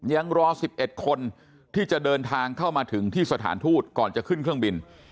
ยังรอ๑๑คนที่จะเดินทางเข้ามาถึงที่สถานทูตก่อนจะขึ้นเครื่องบิน